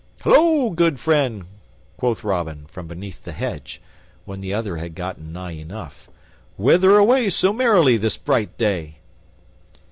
"Halloa, good friend," quoth Robin, from beneath the hedge, when the other had gotten nigh enough, "whither away so merrily this bright day?"